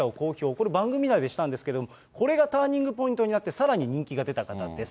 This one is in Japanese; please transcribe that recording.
これ、番組内でしたんですけれども、これがターニングポイントになって、さらに人気が出た方です。